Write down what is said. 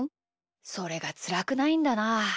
それがつらくないんだな。